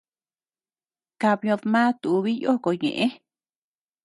Kabiodma tubi yoko ñeʼe.